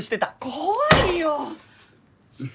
怖いよ！